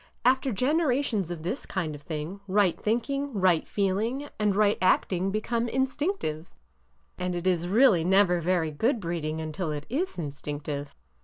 After generations of this kind of thing, right thinking, right feeling, and right act ing become instinctive,— and it is really never very good breeding until it is instinctive."